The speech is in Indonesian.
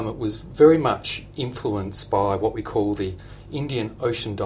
sangat terinfluensi oleh dipol yang disebut di oceania india